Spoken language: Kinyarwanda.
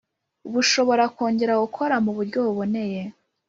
bushobora kongera gukora mu buryo buboneye